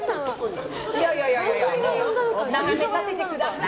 眺めさせてくださいよ。